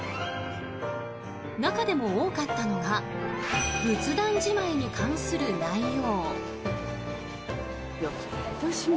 中でも多かったのが仏壇じまいに関する内容。